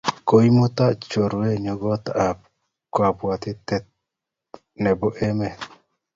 Koimutan chorwennyu kot ap kapwatet nepo emet.